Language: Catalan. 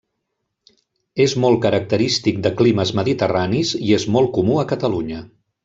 És molt característic de climes mediterranis i és molt comú a Catalunya.